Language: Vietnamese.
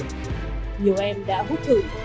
nhiều em đã hút thử